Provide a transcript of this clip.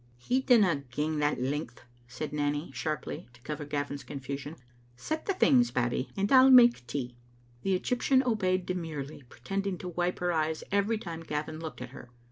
"He didna gang that length," said Nanny, sharply, to cover Gavin's confusion. " Set the things, Babbie, and I'll make the tea." The Egyptian obeyed demurely, pretending to wipe her eyes every time Gavin looked at her.